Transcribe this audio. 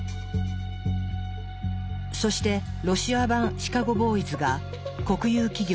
そしてロシア版シカゴ・ボーイズが国有企業